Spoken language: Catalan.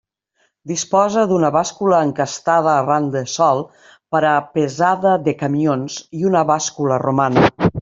Disposa d'una bàscula encastada arran de sòl per a pesada de camions i una bàscula romana.